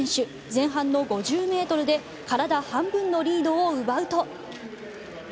前半の５０ｍで体半分のリードを奪うと。